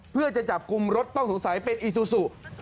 เพื่อจะจับกลุ่มรถต้องสงสัยเป็นอีซูซู